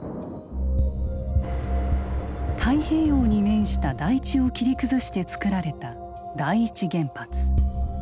太平洋に面した台地を切り崩してつくられた第一原発。